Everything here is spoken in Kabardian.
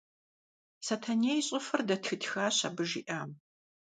Сэтэней и щӀыфэр дэтхытхащ абы жиӀам.